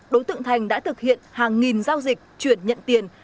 đối tượng thành đã thực hiện hàng nghìn giao dịch chuyển nhận tiền